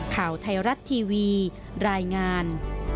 ข่าวไทยรัฐทีวีรายงาน